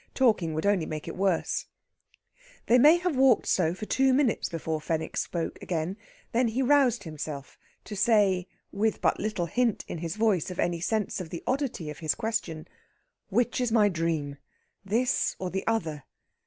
Talking would only make it worse. They may have walked so for two minutes before Fenwick spoke again. Then he roused himself, to say, with but little hint in his voice of any sense of the oddity of his question: "Which is my dream? this or the other?"